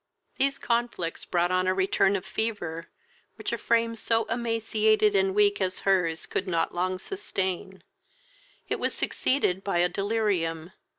These conflicts brought on a return of fever, which a frame so emaciated and weak as her's could not long sustain: it was succeeded by a delirium.